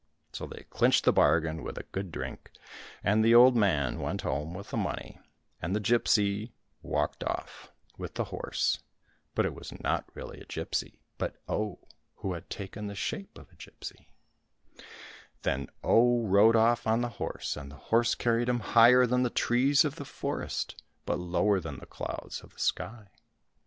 So they clinched the bargain with a good drink, and the old man went home with the money, and the gipsy walked off ^ A grivna is the tenth part of a rouble, about 2|d. 23 COSSACK FAIRY TALES with the horse. But it was not really a gipsy, but Oh, who had taken the shape of a gipsy. Then Oh rode off on the horse, and the horse carried him higher than the trees of the forest, but lower than the clouds of the sky.